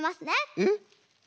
えっ？